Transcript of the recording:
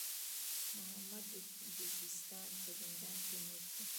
محمد د سیستان په زندان کې مړ شو.